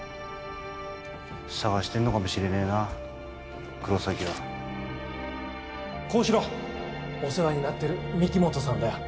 捜してんのかもしれねえな黒崎は高志郎お世話になってる御木本さんだよ